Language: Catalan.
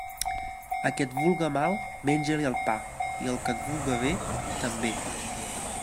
A qui et vulga mal, menja-li el pa, i al que et vulga bé, també.